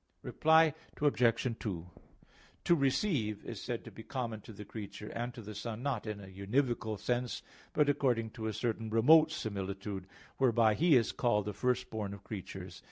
Reply Obj. 2: To "receive" is said to be common to the creature and to the Son not in a univocal sense, but according to a certain remote similitude whereby He is called the First Born of creatures.